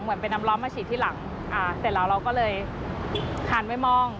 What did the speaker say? เหมือนเป็นน้ำล้อมมาฉีดที่หลังอ่าเสร็จแล้วเราก็เลยทานด้วยม่อง